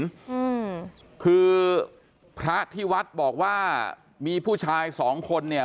อืมคือพระที่วัดบอกว่ามีผู้ชายสองคนเนี่ย